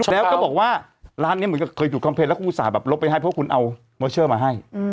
แล้วก็บอกว่าร้านนี้เหมือนกับเคยถูกคอมเแล้วก็อุตส่าห์ลบไปให้เพราะคุณเอาเวอร์เชอร์มาให้